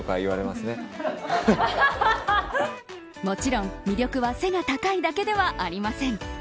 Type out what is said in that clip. もちろん、魅力は背が高いだけではありません。